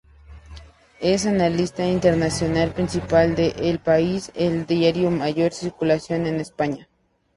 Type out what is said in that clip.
Es analista internacional principal de "El País", el diario de mayor circulación en España.